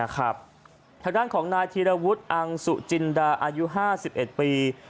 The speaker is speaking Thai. ทางด้านของนายธีรวุฒิอังสุจินดาอายุ๕๑ปี